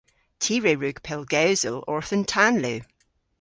Ty re wrug pellgewsel orth an tanlu.